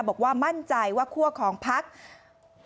บอกว่ามั่นใจว่าขั้วของภักดิ์